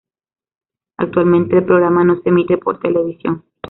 Actualmente el programa no se emite por televisión.